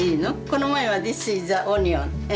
この前は「ディスイズアオニオン」。